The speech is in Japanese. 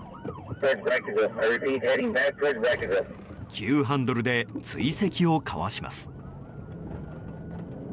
急ハンドルで追跡をかわします。